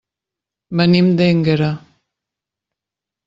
Venim d'Énguera.